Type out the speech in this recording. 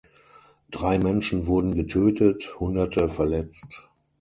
Drei Menschen wurden getötet, Hunderte verletzt.